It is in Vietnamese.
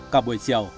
cả buổi chiều